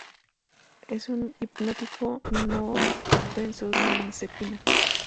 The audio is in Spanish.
Es un hipnótico no benzodiazepina.